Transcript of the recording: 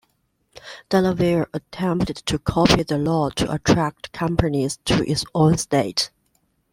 Delaware attempted to copy the law to attract companies to its own state.